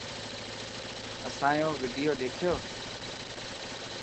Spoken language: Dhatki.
اسان يو وڊيو ڏيکو.